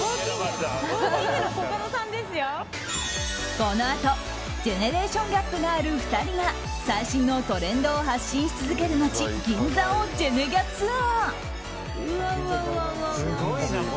このあとジェネレーションギャップがある２人が最新のトレンドを発信し続ける街・銀座をジェネギャツア。